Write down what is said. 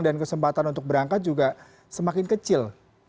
dan kesempatan untuk berangkat juga semakin kecil